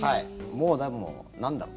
もうなんだろう